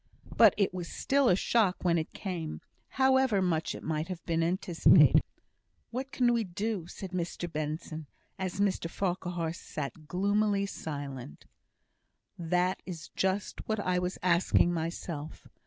But it was still a shock when it came, however much it might have been anticipated. "What can we do?" said Mr Benson, as Mr Farquhar sat gloomily silent. "That is just what I was asking myself.